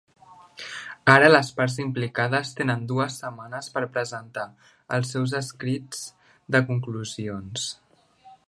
Ara les parts implicades tenen dues setmanes per presentar els seus escrits de conclusions.